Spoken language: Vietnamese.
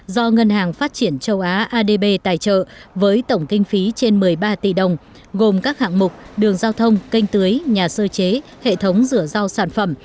do ngân hàng phát triển châu á adb tài trợ với tổng kinh phí trên một mươi ba tỷ đồng gồm các hạng mục đường giao thông canh tưới nhà sơ chế hệ thống rửa rau sản phẩm